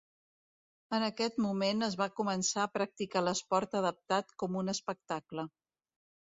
En aquest moment es va començar a practicar l'esport adaptat com un espectacle.